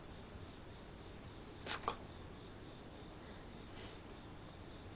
そっか。